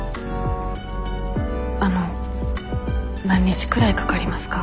あの何日くらいかかりますか？